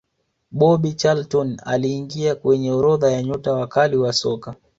bobby charlton aliingia kwenye orodha ya nyota wakali wa soka